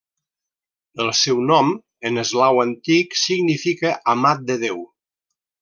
El seu nom, en eslau antic, significa 'amat de Déu'.